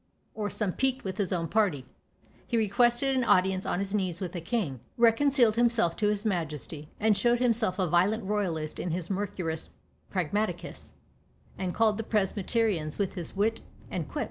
or some pique with his own party, he requested an audience on his knees with the king, reconciled himself to his majesty, and showed himself a violent royalist in his "Mercurius Pragmaticus," and galled the Presbyterians with his wit and quips.